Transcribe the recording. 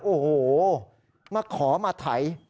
โอ้โหมาขอมาไถ